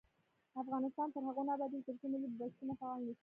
افغانستان تر هغو نه ابادیږي، ترڅو ملي بسونه فعال نشي.